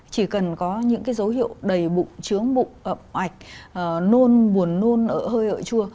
chỉ cần có những dấu hiệu đầy bụng trướng bụng ẩm ạch buồn nôn hơi ợi chua